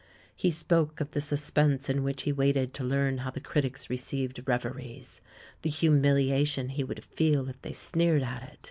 He spoke of the suspense in which he waited to learn how the critics received Reveries — the humiliation he would feel if they sneered at it.